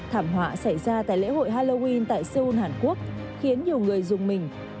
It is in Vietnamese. thảm họa xảy ra tại lễ hội halloween tại seoul hàn quốc khiến nhiều người dùng mình